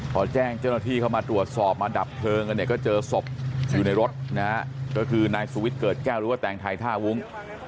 พอแจ้งเจ้าหน้าที่เข้ามาตรวจสอบมาดับเพลิงกันเนี่ยก็เจอศพอยู่ในรถนะฮะก็คือนายสุวิทย์เกิดแก้วหรือว่าแตงไทยท่าวุ้ง